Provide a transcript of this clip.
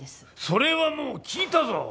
それはもう聞いたぞ！